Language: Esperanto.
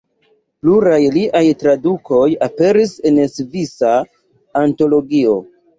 Pluraj liaj tradukoj aperis en Svisa antologio.